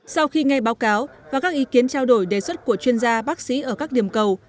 sau khi nghe báo cáo và các ý kiến trao đổi đề xuất của chuyên gia bác sĩ ở các điểm cầu